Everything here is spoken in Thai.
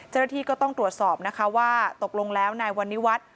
เจรื่อธีก็ต้องตรวจสอบว่าตกลงแล้วนายวันนิวัตต์